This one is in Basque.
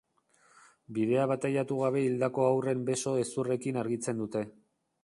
Bidea bataiatu gabe hildako haurren beso-hezurrekin argitzen dute.